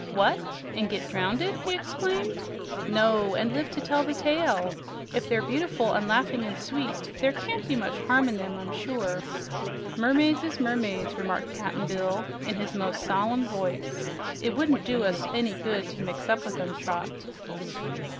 "What, an' git drownded?" he exclaimed. "No, and live to tell the tale. If they're beautiful, and laughing, and sweet, there can't be much harm in them, I'm sure." "Mermaids is mermaids," remarked Cap'n Bill in his most solemn voice. "It wouldn't do us any good to mix up with 'em, Trot."